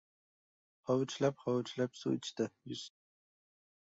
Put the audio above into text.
Hovuchlab-hovuchlab suv ichdi. Yuz chaydi.